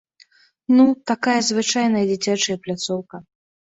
Ну, такая звычайная дзіцячая пляцоўка.